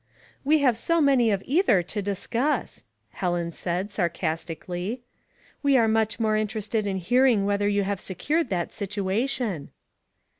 '*" We have so many of either to discuss," Helen said, sarcastically. " We are much more interested in hearing whether you have secured that situation."